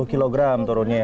dua puluh kg turunnya ya